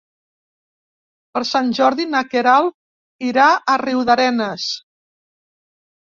Per Sant Jordi na Queralt irà a Riudarenes.